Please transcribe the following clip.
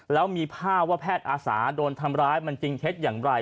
แล้วมีภาพว่าแพทย์อาสาโดนทำร้ายมันจริงเท็จอย่างไร